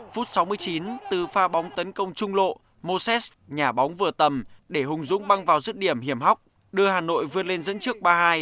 phút sáu mươi chín từ pha bóng tấn công trung lộ moses nhà bóng vừa tầm để hùng dũng băng vào dứt điểm hiểm hóc đưa hà nội vươn lên dẫn trước ba hai